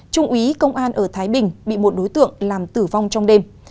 trung úy công an ở thái bình bị một đối tượng làm tử vong trong đêm